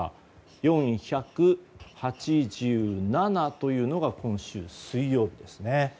４８７というのが今週水曜日ですね。